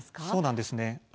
そうなんです。